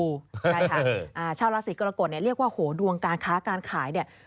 ใช่ค่ะชาวราศีกรกฎเนี่ยเรียกว่าโหดวงการค้าการขายเนี่ย